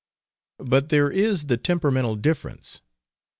But there is the tempermental difference.